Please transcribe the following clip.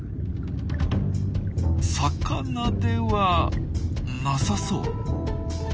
魚ではなさそう。